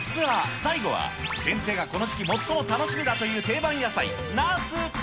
最後は、先生がこの時期最も楽しみだという定番野菜、ナス。